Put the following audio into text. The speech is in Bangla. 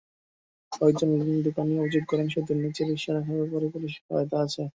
কয়েকজন দোকানি অভিযোগ করেন, সেতুর নিচে রিকশা রাখার ব্যাপারে পুলিশের সহায়তা আছে।